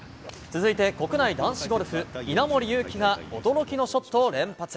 続いて国内男子ゴルフ、稲森佑貴が驚きのショットを連発。